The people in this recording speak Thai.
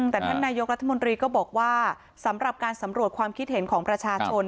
แต่ท่านนายกรัฐมนตรีก็บอกว่าสำหรับการสำรวจความคิดเห็นของประชาชน